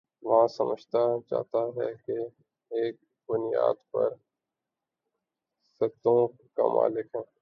وہاں سمجھا جاتا ہے کہ یہ ایک بنیاد پرستوں کا ملک ہے۔